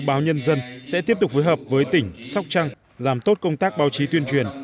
báo nhân dân sẽ tiếp tục phối hợp với tỉnh sóc trăng làm tốt công tác báo chí tuyên truyền